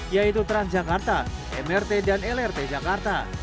yaitu trans jakarta mrt dan lrt jakarta